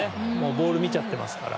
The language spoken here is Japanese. ボール見ちゃってますから。